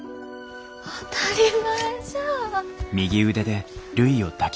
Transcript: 当たり前じゃあ。